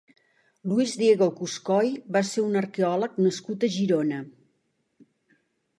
Luis Diego Cuscoy va ser un arqueòleg nascut a Girona.